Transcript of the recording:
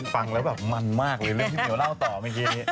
ฟังแล้วแบบมันมากเลยเรื่องที่เหี่ยวเล่าต่อเมื่อกี้